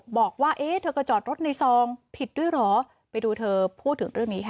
บอกว่าเอ๊ะเธอก็จอดรถในซองผิดด้วยเหรอไปดูเธอพูดถึงเรื่องนี้ค่ะ